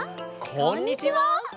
こんにちは！